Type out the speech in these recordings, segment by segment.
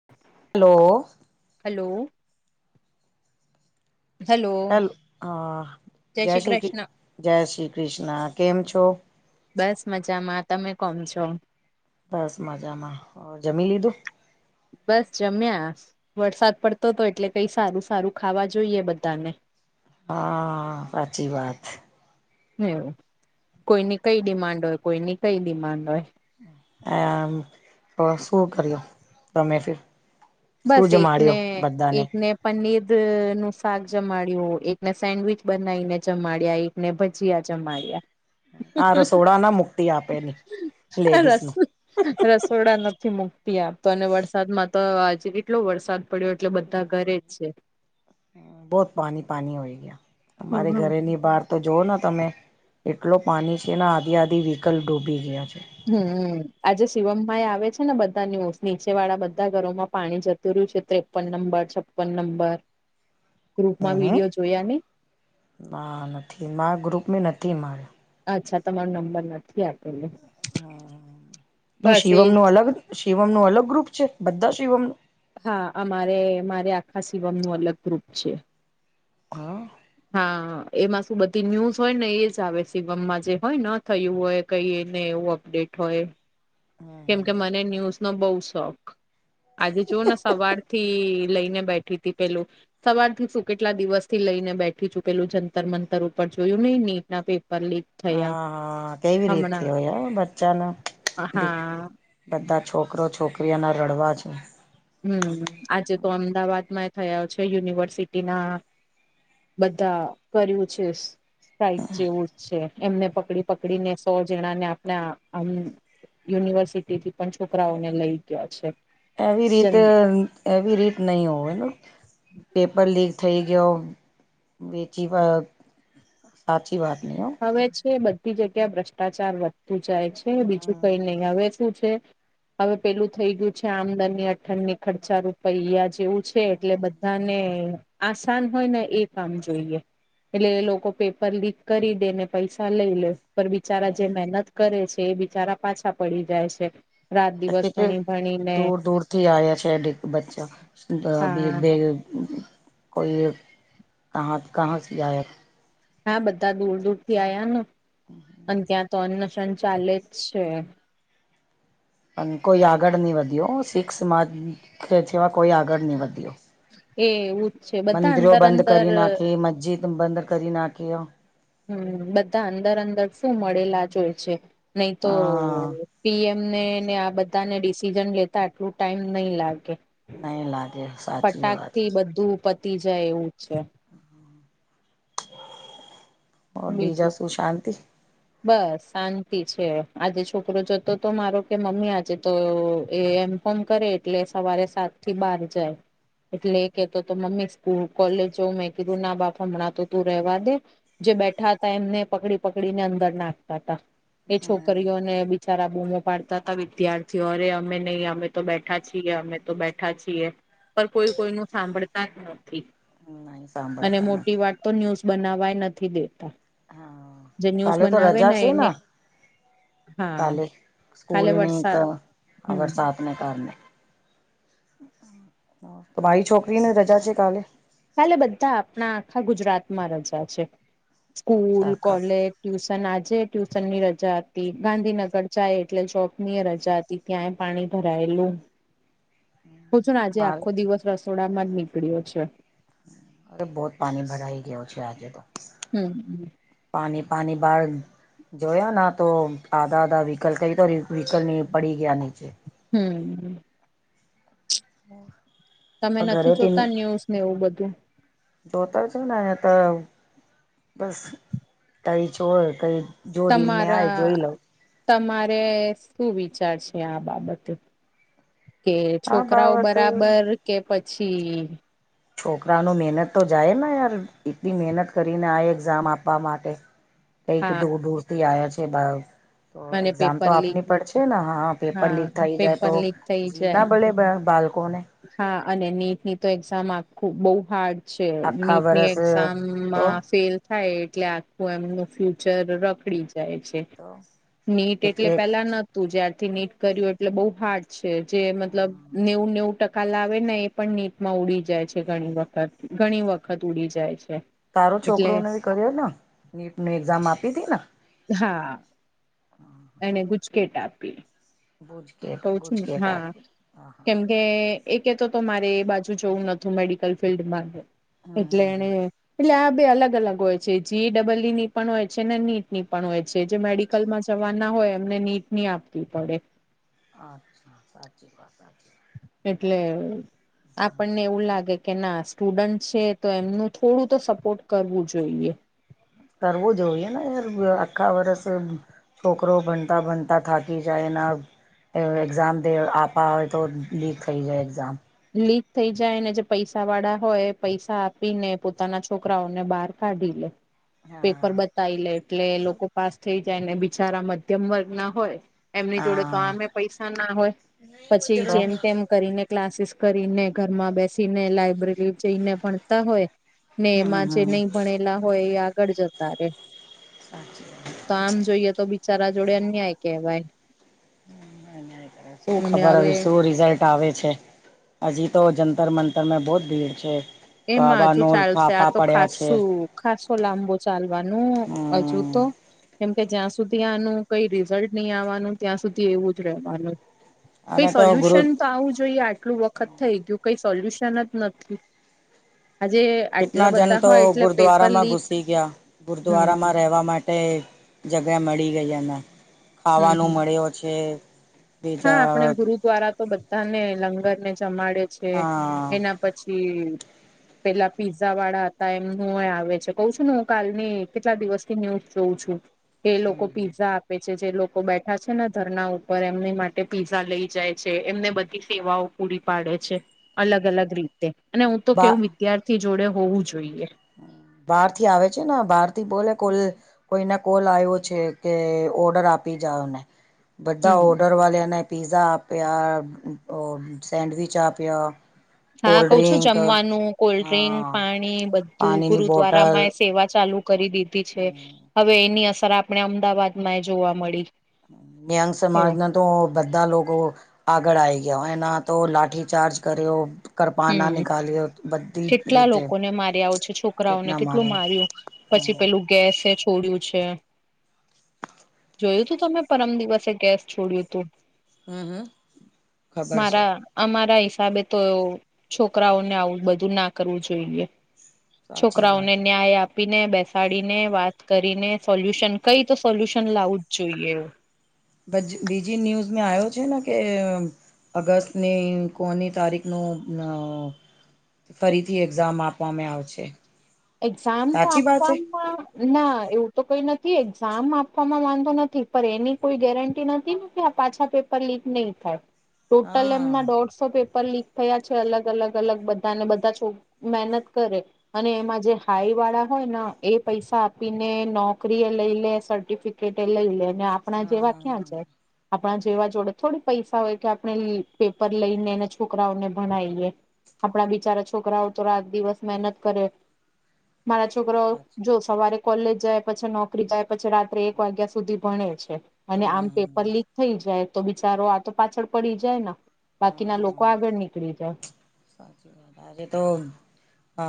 [inaudible] Hello. Hello. Hello hello હા જય શ્રી કૃ જય શ્રી કૃષ્ણ કેમ છો? બસ મજામાં તમે કોમ છો? બસ મજામાં જમી લીધું? બસ જમ્યા. વરસાદ પડતો હતો એટલે કઈ સારું સારું ખાવા જોઈએ બધાને. હા સાચી વાત. હવું કોઈની કઈ ડિમાન્ડ હોય કોઈની કઈ ડિમાન્ડ હોય. આ શું કર્યો ગમે ફર? શું બસ જ એકને માડ્યો બધાને? એકને પનીર નું શાક જમાડ્યું એકને સેન્ડવીચ બનાવીને જમાડ્યા એક. ને ભજીયા જમાડ્યા. આ રસોડા ના મુક્તિ આપેલી લેડીસ રસ નું. રસોડા નથી મુકતી આપતો અને વરસાદમાં તો આજે કેટલો વરસાદ પડ્યો એટલે બધા ઘરે જ છે. બહુત પાણી પાણી હોય ગયા હમા હમ ઘરેની બહાર. તો જોઓ તમે એટલો પાણી છે ને આધી આધી વિકલ્પ ડૂબી ગયા છે. હમ્મ આજે શિવમભાઈ આવે છે ને બધા ન્યૂઝ નીચે વાળા બધા ઘરોમાં પાણી જતું રહ્યું છે તે. છપ્પન નંબર છપ્પન નંબર હમ ગ્રુપમાં વિડીયો હમ જોયા ને. ના નથી મારૂ ગ્રુપ મે નથી માર્યો. અચ્છા તમારો નંબર નથી આપેલો. હ બસ એ શિવમ જ. નું અલગ શિવમ નું અલગ ગ્રુપ છે બધા શિવમનું હા અમારે મારે આખા શિવમ નું અલગ ગ્રુપ છે. હા. હા એમાં શું બધી ન્યુઝ હોય ને એજ આવે શિવમમાં જે હોય ન થયું હોય કઈને એવું. ડેટ હોય. કેમ કે મને ન્યૂઝ નો બઉ શોખ. આજે જો ને સવાર થી લઈને બેઠી તી પેલું સવારથી શું કેટલા દિવસ થી લઈને બેઠી છું પેલું જંતર મંતર ઉપર જોયું નહી નીટ ના પેપર લીક થયા હા, હા, કઈ રીતે હમણાં હોય બચ્ચાનું. હા બધા છોકરો છોકરીઓના રડવા છે. હમ્મ આજે તો અમદાવાદ માં થયા છે યુનિવર્સિટીના બધા કર્યું છે. [inaudible] જેવું જ છે એમને પકડી પકડીને સો જણા ને આપણા આમ યુનિવર્સિટીથી પણ છોકરાઓને લઇ ગયા છે. એવી જન રીતે એવી રીત નહી હોય પેપર લીક થઈ ગયો. બેચી બ સાચી વાત નઇ ઓ. હવે છે બધી જગ્યા એ ભ્રષ્ટાચાર વધ જાય છે. બીજું કઈ નઈ, અવે શું છે. હવે પેલુ થઈ ગીયું છે, આમદની અઠનીં ખર્ચા રૂપયા જેવું છે એટલે બધ અને આસાન હોય ને એ કામ જોઈએ એટલે એ લોકો પેપર લીક કરી દે ને પૈસા લઈ લે પર બિચારા જે મહેનત કરે છે એ બિચારા પાછા પડી જાય છે. રાત દિવસ હકીકત ભણી-ભણી દૂર દૂર થી આયા છે એ ડીક બચ્ચા બે હા બે કોઈ એક કહા કહા સે આયા હે. હા બધા દૂર દૂર થી આયા ન અને ત્યાં તો અન્નશન ચાલે જ છે. અને કોઈ આગળ નઈ વધ્યો સીખ સમાજ જેવા કોઈ આગળ નઈ વધ્યો. એ એવું જ છે બધા મંદિરો અંદર બંધ અંદર કરી નાખી, મજિદ બંધ કરી નાખી, હ હમ્મ, બધા અંદર-અંદર શું મળેલા જ હોય છે નઈ તો હા પીએમને ને આ બધાને ડિસિઝન લેતા આટલુ ટાઈમ નઈ લાગે. નહી લાગે સાચી ફટાક વાત થી બધું પતી જાય એવુ જ છે. બીજા બીજું શુ સાંતિ? બસ સાંતિ છે, આજે છોકરો જતો તો મારો કે મમ્મી આજે તો એ એમ ફોન કરે એટલે સવારે સાત થી બાર જાય. એટલે કેતો તો મમ્મી સ્કૂ કોલેજ જવ મેં કીધુ ના બાપ, હમણા તો તું રેવા દે. જે બેઠા હતા એમને પકડી-પકડી ને અંદર નાખતા તા. એ છોકરીઓને બિચારા બૂમો પાડ તાતા વિદ્યાર્થીઓ અરે અમે નઈ અમે તો બેઠા છીએ, અમે તો બેઠા છીએ. પર કોઈ-કોઈ નું સાંભળતા જ નથી નહી અને સાંભળતા મોટી નથી વાત તો ન્યૂઝ બનાવાય નથી દેતા, હા જે ન્યૂઝ બનાવે ને એને હા કાલે સ્કૂલ કાલે ને, ક વરસાદ હમ અગર સાદ. અને કારને. [unintelligible] છોકરીને રજા છે કાલે. હાલે બધા આપના આખા ગુજરાતમાં રજા છે. સ્કૂલ, અચ્છા આખા કોલેજ,.... ટ્યુસન આજે ટ્યુસન ની રજા હતી. ગાંધીનગર જાય એટલે જોબ ની એ રજા હતી. તી ત્યાંય પાણી ભરાયેલું. હુ છું ને, આજે મારે આખો દિવસ રસોડામાં જ નીકળ્યો છે. અરે! બહુત પાની ભરાઈ ગયો છે આજે તો. હમ્મ. પાની-પાની બાર્ગ જોયા ના તો આધા આધા વ્હીકલ કઈ તો વ્હીકલ ની પડી ગયા નીચે. હમ્મ. હ તમે નથી જોતા ન્યુઝ ને એવું બધુ. જોતર છે ને અયે તો બસ તઈ છો કઈ. જો રીલ મે આય તમારા જોઈ લવ. તમારે સુ વિચાર છે, આ બાબતે. કે આ છોકરાઓ બાબત બરાબર કે પછી છોકરા નો મેનત તો જાય ને યાર એટલી મેનત કરીને આ એક્ઝામ આપવા માટે. કઈક હા ડૂર ડૂર થી આયો છે બા તો અને એક્ઝામ તો પેપર લીક આપની પડ છે ને, હા-હા પેપર હા લીક થઈ જાય પેપર તો. લીક થઈ જી જાય ના બલે બા બાલકોને. હા અને નીટ ની તો એક્ઝામ આખું બઉ હાર્ડ છે આખા નીટ ની વરસ તો એક્ઝામમાં ફેલ થાય એટલે આખું એમનું ફ્યુચર રખડી જાય છે. તો નીટ એક એટલે એક પેલા ન તુ જ્યારથી નીટ કર્યું એટલે બઉ ફાટ છે, જે મતલબ નેવું નેવું કાલ આવે ને એ પણ નીટમાં ઉડી જાય છે, ઘણી વખત-ઘણી વખત ઉડી જાય છે. તારો એટલે છોકરોને કર્યો ન નીટ ની એક્ઝામ આપી તી ને. હા [unintelligible] એને ગુચકેટ આપી બુજકેટ ભુજકેટ હ હા કે એ તો તો મારે એ બાજુ જવું નું મેડિકલ ફિલ્ડમાં હમ એટલે એને હમ એટલે આ બે અલગ અલગ હોય છે જી ડબલુ ની પણ હોય છે ને નીટ ની પણ હોય છે જે મેડિકલમાં જવાના હોય એમને નીટ નની આપવી પડે અચ્છા સાચ એ વાત [unintelligible] એટલે આપણને એવું લાગે કે ના સ્ટુડન્ટ છે તો એમનું થોડું તો સપોર્ટ કરવું જોઈએ કરવું જોઈએ ને યાર આખા વરષ છોકરો બનતા બનતા થાકી જાયના એ એક્ઝામ આપા હોય તો લીક થઈ જાય એક્ઝામ લીક થઈ જાયને જે પૈસા વાળા હોય પૈસા આપી ને પોતાના છોકરાઓને બહાર કાઢી લે હા પેપર બતાવી લે એટલે લોકો પાસ થઈ જાય ને બિચારા મધ્યમ વર્ગ ના હોય એમની જોડે તો હા આમે પૈસા ના હોય પછી તો જેમ તેમ હમ કરીને ક્લાસીસ કરીને ઘરમાં બેસીને લાયબ્રેરી જઈને ભણતા હોય ને એમાં જે હમ નહી ભણે પલા હોય એ આગળ જતા રે. સાચચી વા તો આમ જોઈએ તો બિચારા જોડે અન્યાય કહેવાય શું અને ખબર હ હવે વિ શું રઝાય કાવે છે અજી તો જંતર મંતર મે બહુત ભીડ છે. એમાં કવા હજુ નોર ચાલશે આ ફાફા તો પડ્યા છે ખાસું ખાસો લાંબો ચાલવાનું હજુ હમ તો. કેમ કે જ્યાં સુધી આનું કઈ રિઝલ્ટ નહી આવવાનું ત્યાં સુધી એવું જ રહેવાનું કઈ અને તો ગુરુ સોલ્યુશન તો આવું જોઈએ આટલું વખત થઈ ગયું કઈ સોલ્યુશન જ નથી આજે આટલા કેટલા જન બધા તો હોય એટલે પેપર ગુરદ્વારામાં લીક ઘુસી ગયા હમ ગુરદ્વારામાં રહેવા માટ ટે જગ્યા મળી ગઈ એમ હમ ખાવાનું હમ મળ્યો છે. હા બીજા આપણે ગુરુ દ્વારા તો બધાને લંગર ને જમાડે છે હા એના પછી પેલા પીઝા વાળા હતા એમનું આવે છે કઉ છું ને હું કાલની કેટલા દિવસની ન્યૂઝ જોઉં છું એ લોકો પીઝા આપે છે જે લોકો બેઠા છે ને ધરણા ઉપર એમની માટ ટે પીઝા લઈ જાય છે એમને બધી સેવાઓ પૂરી પાડે છે. અલગ અલગ રીતે અને હું તો બા કેવું વિદ્યાર્થી જોડે હોવું જોઈએ બહાર થી આવે છે ને બહાર થી બોલે કોલ કોઈને કોલ આવ્યો છે કે ઓર્ડર આપી જાાવને બધા હમ ઓર્ડર વાળ્યાને પિઝા આપ આપ્યા ઓ સેન્ડવિચ આપ આપ્યા હા કોલ્ડ કઉ છું ડ્રિંક જમવાનું કોલ્ડ્રિંક હા પાણી બધું પાણીની બોટલ ગુરુદ્વારામાં સેવા ચાલુ કરી દીધી છે હવે એની અસર આપણે અમદાવાદમાં એ જોવા મળી દ્યાંગ એવ સમમાજના તો બધા લોકો આગળ આવીઈ ગયા એના તો લાઠીચાર્જ કર્યો કરપાના હમ્મ નીકાલ્યો બધી કેટલા રીતે લોકોને માર્યા આવ છે છોકરાઓને કેટલા કેટલું માર્યા માર્યું પછી હમ પેલું ગેસે છોડ્યું છે. જોયું તું તમે પરમ દિવસે ગેસ છોડ્યું હતું હમ હમ ખબર છે મારા અમારા હિસાબે તો છોકરાઓને આવું બધું ના કરવું જોઈએ સાચી છોકરાઓને વાત હે ન્યાય આપ આપીને બેસાડીને વાત કરીને સોલ્યુશન કઈ તો સોલ્યુશન લાવું જ જોઈએ બીજી ન્યૂઝ મેં આવ્યો છે ને કે- અગસ્ટની કોની તારીખનો- ફરીથી એક્ઝામ આપવામાં આવશે- એક્ઝામ તો સાચી વાત છે આપવાવામાં- ના એવું તો કઈ નથી એક્ઝામ આપવામાં વાંધો નથી પણ એની કોઈ ગેરંટી નથી ને- પાછા પેપર લીક નહી થાય ટોટલ હા એમના ડોટ- પેપર લીક થયા છે. અલગ અલગ અલગ બધાને બધા છો મહેનત કરે અને એમાં- જે હાઈ વાળા હોય ને એ પૈસા આપીને નોકરી એ લઈ લે સર્ટિફિકેટ એ લઈ લે- આપણા જેવા હા ક્યાં છે. આપણા જેવા જોડે થોડી પૈસા હોય કે આપણે પેપર લઈને છોકરાઓને ભણઈએ- આપણા બિચારા છોકરાઓ તો રાત દિવસ મહેનત કરે- મારા છોકરા સાચી જો સવારે કોલેજ જાય પછી નોકરી જાય પછી રાત્રે એક વાગ્યા સુધી ભણે છે. અને આમ પેપર હમ લીક થઈ જાય- તો બિચારો આ તો પાછળ પડી જાય બાકીના લોકો હા આગળ નીકળી જાય- સાચી વાત આજે તો હ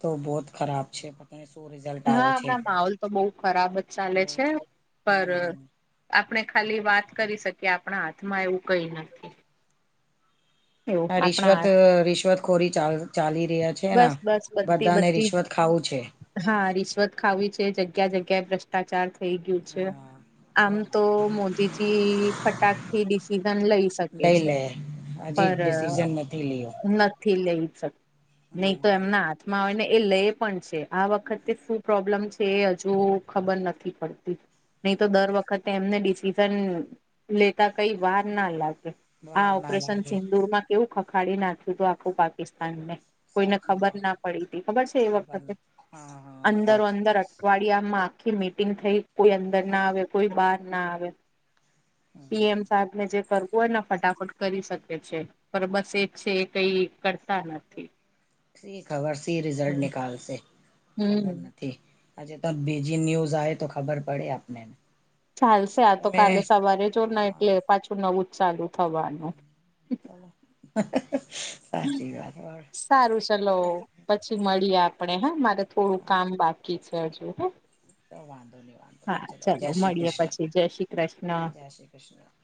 તો બહત ખરાબ છે. શો રિ હા હમણા માહોલ તો બહુ ખરાબ જ ચાલે બહુત છે. હમ પર- હમ આપણે ખાલી વાત કરી શકીએ આપણા હાથમાં એવું કઈ નથી- એવું આ આપણા રિશ્વત હાથ રિશ્વત ખોરી ચ ચાલી રહ્યા છે. બસ બસ બધી બધાને બધી રિશ્વત ખાવું છે. હા રિશ્વત ખાવી છે જગ્યા જગ્યાએ પ્રશ્ન? ભ્રષ્ટાચાર થઈ ગયું છે આમ તો મોદીજી- ફટાક થી ડિસિઝન લઈશ- લઈ લે હજી ડિસિઝન નથી લયો- થી લઈ શક નહી તો એમના- આવે ને એ લઈ પણ છે આ વખતે શું પ્રોબ્લેમ છે એ હજુ ખબર નથી પડતી- નહી તો દર વખતે એમને ડિસિઝન લેતા કઈ વાર ના લાગે આ વાર ના ઓપરેશન લાગે સિંદુર માં કેવું ખખાડી નાખ્યું હતું આખું પાકિસ્તાન ને- કોઈને સાચી ખબર વાત ના પડી હતી ખબર છે એ વખતે ના હા હા હા અંદરો સાચી અંદર વાત. અઠવાડિય- યામાં આખી મીટિંગ થઈ કોઈ અંદર ના આવે કોઈ બહાર ના આવે- પીએમ સાહેબ ને જે કરવું હોય ને ફટાફટ કરી શકે છે. પણ બસ એ છે કઈ કરતા નથી- સી ખબર સી હમ રિઝલ્ટ નિકાલશે ખબર હમ નથી- આજે તો બીજી ન્યુઝ આવે તો ખબર પડે આપને- ચાલશે આ તો કાલે તમે સવારે જ ને એટલે પાછું નવું જ ચાલુ થવાનું- સાચચી વાત હોર- સારું ચલો પછી મળીએ આપણે હા મારે થોડું કામ બાકી છે હજુ હ- તો વાંધો નહી વાંધો ન ચલો જય શ્રી મળીએ કૃષ્ણ પછી જય શ્રી કૃષ્ણ જય શ્રી કૃષ્ણ-